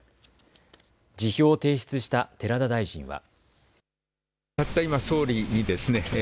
辞表を提出した寺田大臣は。